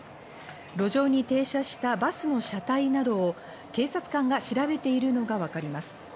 路上に停車したバスの車体などを警察官が調べているのがわかります。